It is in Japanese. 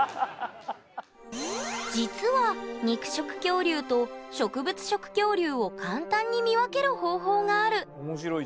実は肉食恐竜と植物食恐竜を簡単に見分ける方法がある。